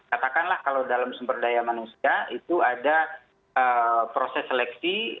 katakanlah kalau dalam sumber daya manusia itu ada proses seleksi